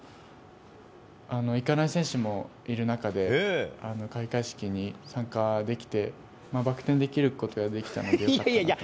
行かない選手もいる中で開会式に参加できてバク転できることができたので。